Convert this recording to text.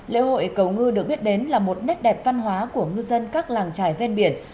lễ hội cầu ngư được biết đến là một nét đẹp văn hóa của ngư dân các làng trài ven biển